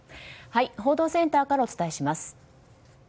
報道センターからお伝えします。